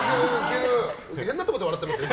変なところで笑ってますよ。